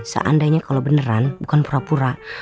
seandainya kalau beneran bukan pura pura